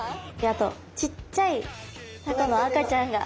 あとちっちゃいタコの赤ちゃんが。